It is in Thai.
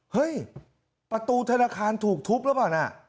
เฮ้ยประตูธนาคารถูกทุบหรือเปล่านะ